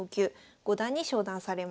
五段に昇段されました。